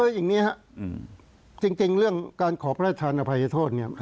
อย่างนี้ครับจริงเรื่องการขอพระราชานอภัยโทษเนี่ย